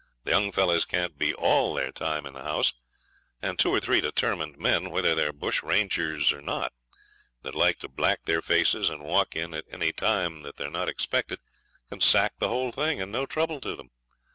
The young fellows can't be all their time in the house, and two or three determined men, whether they're bush rangers or not, that like to black their faces, and walk in at any time that they're not expected, can sack the whole thing, and no trouble to them.